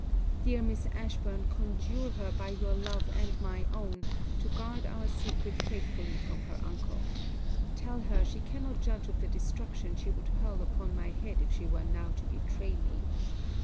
Dear Miss Ashburn, conjure her, by your love and my own, to guard our secret faithfully from her uncle. Tell her, she cannot judge of the destruction she would hurl upon my head if she were now to betray me.